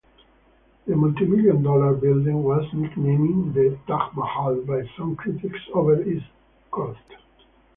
The multimillion-dollar building was nicknamed the "Taj Mahal" by some critics over its cost.